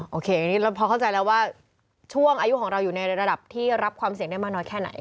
โอเคอันนี้เราพอเข้าใจแล้วว่าช่วงอายุของเราอยู่ในระดับที่รับความเสี่ยงได้มากน้อยแค่ไหน